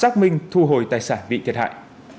thu hồi tài sản bị thiệt hại